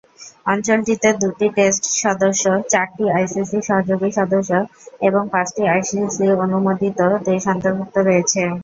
অঞ্চলটিতে দুটি টেস্ট সদস্য, চারটি আইসিসির সহযোগী সদস্য এবং পাঁচটি আইসিসি অনুমোদিত দেশ অন্তর্ভুক্ত রয়েছে।